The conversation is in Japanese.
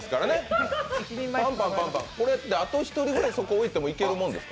これってあと１人ぐらいそこに置いてもいけるものですか？